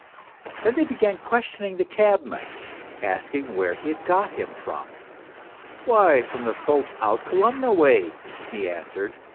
Then they began questioning the cabman, asking where he had got him from. " Why, from folks out Kolomna way," he answered.